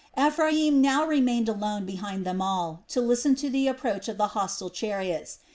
Ephraim now remained alone behind them all to listen to the approach of the hostile chariots.